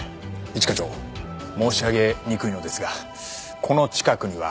一課長申し上げにくいのですがこの近くには。